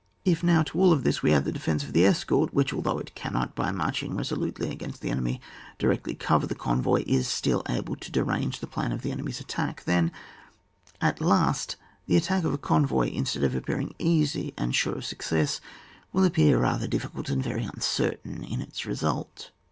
If now to all this we add the defence of the escort, which, although it cannot by marching resolutely against the enemy directly cover the convoy, is still able to derange the plan of the enemy's attack ; then, at last, the attack of a convoy, in stead of appearing easy and sure of suc cess, will appear rather difficult, and very uncertain in its result.